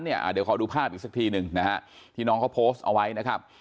เดี๋ยวขอดูภาพอีกสักทีหนึ่งนะฮะที่น้องเขาโพสต์เอาไว้นะครับ